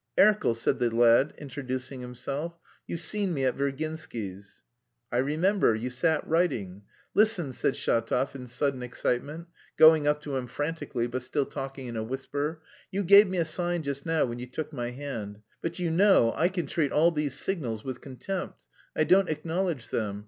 "Erkel," said the lad, introducing himself. "You've seen me at Virginsky's." "I remember; you sat writing. Listen," said Shatov in sudden excitement, going up to him frantically, but still talking in a whisper. "You gave me a sign just now when you took my hand. But you know I can treat all these signals with contempt! I don't acknowledge them....